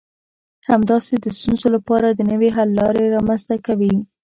همداسې د ستونزو لپاره د نوي حل لارې رامنځته کوي.